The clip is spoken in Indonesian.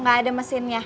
nggak ada mesinnya